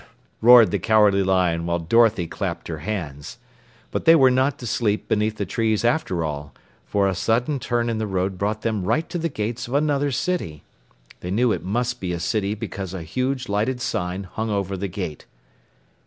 "Br rrr!" roared the Cowardly Lion while Dorothy clapped her hands. But they were not to sleep beneath the trees after all, for a sudden turn in the road brought them right to the gates of another city. They knew it must be a city because a huge, lighted sign hung over the gate.